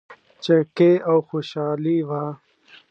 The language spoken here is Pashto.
چکې او خوشحالي وه.